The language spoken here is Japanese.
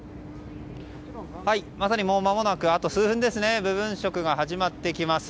まさにまもなくあと数分で部分食が始まってきます。